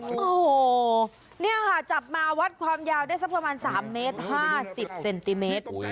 โอ้โหนี่ค่ะจับมาวัดความยาวได้สักประมาณ๓เมตร๕๐เซนติเมตร